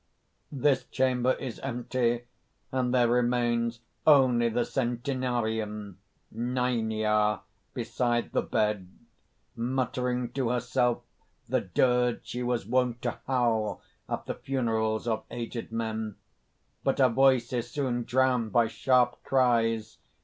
(_This chamber is empty; and there remains only the centenarian Nænia beside the bed, muttering to herself the dirge she was wont to howl at the funerals of aged men._ _But her voice is soon drowned by sharp cries.